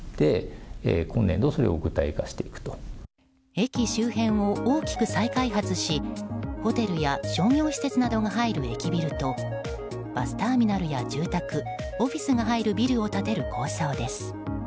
駅周辺を大きく再開発しホテルや商業施設が入る駅ビルとバスターミナルや住宅オフィスが入るビルを建てる構想です。